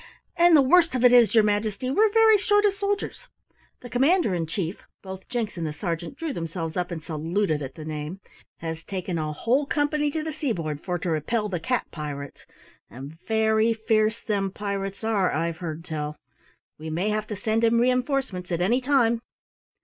"And the worst of it is, your Majesty, we're very short of soldiers. The Commander in Chief" both Jinks and the sergeant drew themselves up and saluted at the name "has taken a whole company to the seaboard for to repel the cat pirates, and very fierce them pirates are, I've heard tell. We may have to send him reinforcements at any time."